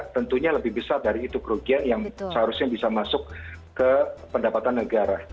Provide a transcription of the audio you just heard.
tentunya lebih besar dari itu kerugian yang seharusnya bisa masuk ke pendapatan negara